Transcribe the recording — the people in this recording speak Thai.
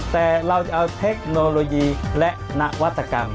แต่เราจะเอาเทคโนโลยีและนวัตกรรม